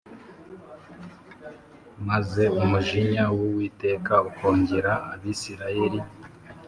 maze umujinya w uwiteka ukongera abisirayeli